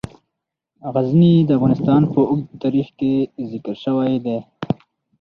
غزني د افغانستان په اوږده تاریخ کې ذکر شوی دی.